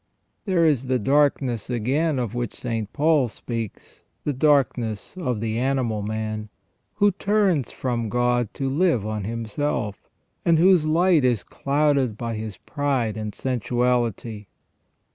There is the darkness, again, of which St. Paul speaks, the darkness of the animal man, who turns from God to live on himself, and whose light is clouded by his pride and sensuality.